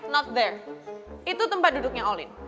not dear itu tempat duduknya olin